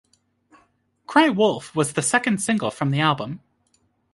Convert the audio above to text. "Cry Wolf" was the second single from the album.